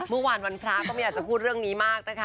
วันพระก็ไม่อยากจะพูดเรื่องนี้มากนะคะ